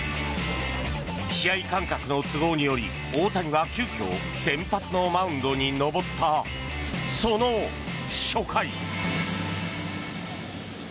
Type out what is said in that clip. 試合間隔の都合により大谷は急きょ、先発のマウンドに登ったその初回。